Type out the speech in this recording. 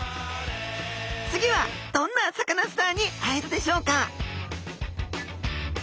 次はどんなサカナスターに会えるでしょうか？